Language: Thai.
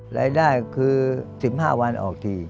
รายได้คือ๑๕วันออกที